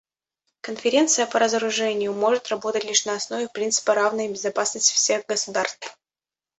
Конференция по разоружению может работать лишь на основе принципа равной безопасности всех государств.